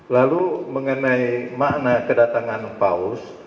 lalu mengenai makna kedatangan paus